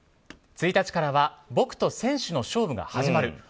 １日からは僕と選手の勝負が始まる。